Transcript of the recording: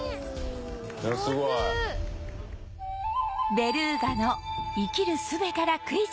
ベルーガの生きる術からクイズ